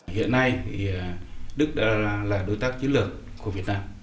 hiện nay đức đã là đối tác chế lược của việt nam